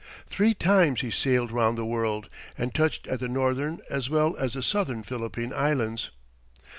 Three times he sailed round the world, and touched at the northern as well as the southern Philippine Islands.